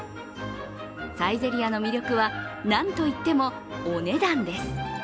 サイゼリヤの魅力は、なんといってもお値段です。